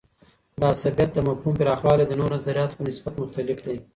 د عصبيت د مفهوم پراخوالی د نورو نظریو په نسبت مختلف دی.